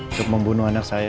untuk membunuh anak saya